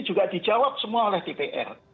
juga dijawab semua oleh dpr